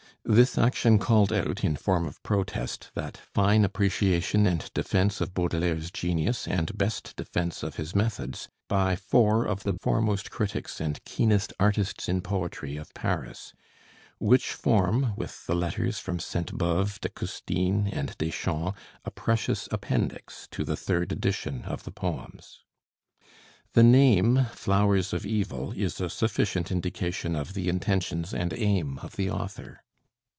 This action called out, in form of protest, that fine appreciation and defense of Baudelaire's genius and best defense of his methods, by four of the foremost critics and keenest artists in poetry of Paris, which form, with the letters from Sainte Beuve, de Custine, and Deschamps, a precious appendix to the third edition of the poems. The name 'Flowers of Evil' is a sufficient indication of the intentions and aim of the author.